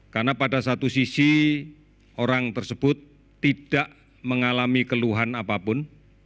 karena pada satu sisi orang tersebut tidak mengalami keluhan apapun